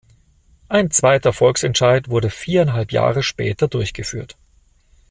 Ein zweiter Volksentscheid wurde viereinhalb Jahre später durchgeführt.